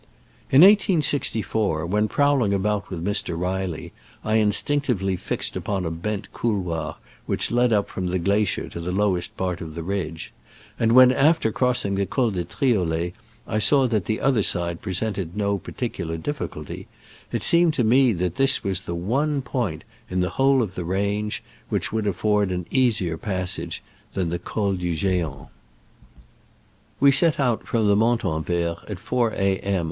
In 1864, when prowling about with Mr. Reilly, I instinctively fixed upon a bent couloir which led up from the gla cier to the lowest part of the ridge ; and when, after crossing the Col de Triolet, I saw that the other side presented no particular difficulty, it seemed to me that this was the one point in the whole of the range which would afford an easier passage than the Col du G6ant. We set out from the Montanvert at 4 A. M.